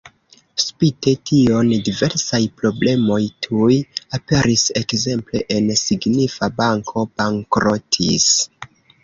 Spite tion diversaj problemoj tuj aperis, ekzemple en signifa banko bankrotis.